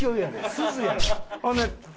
すずやぞ？